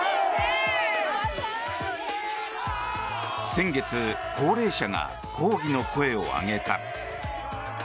先月、高齢者が抗議の声を上げた。